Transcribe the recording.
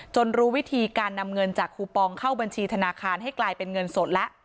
รู้วิธีการนำเงินจากคูปองเข้าบัญชีธนาคารให้กลายเป็นเงินสดแล้ว